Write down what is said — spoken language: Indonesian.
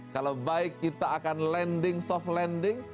kalau baik kita akan landing soft landing